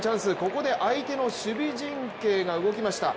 ここで相手の守備陣形が動きました。